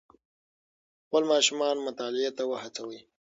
خپل ماشومان مطالعې ته وهڅوئ.